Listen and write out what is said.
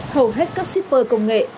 hầu hết các shipper công nghệ